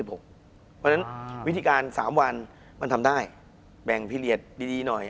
เพราะฉะนั้นวิธีการ๓วันมันทำได้แบ่งพีเรียสดีหน่อย